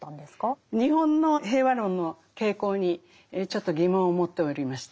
日本の平和論の傾向にちょっと疑問を持っておりました。